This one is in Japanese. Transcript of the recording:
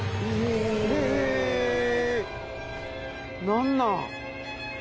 何なん？